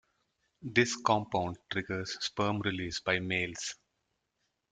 This compound triggers sperm release by males.